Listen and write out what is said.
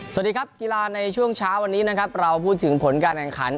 สวัสดีครับกีฬาในช่วงเช้าวันนี้นะครับเราพูดถึงผลการแข่งขัน